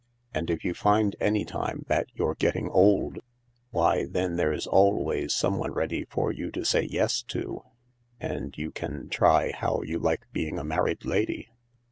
And if you find any time that you're getting old— why, then there's always someone ready for you to say ' Yes' to, and you can try how you like being a married lady."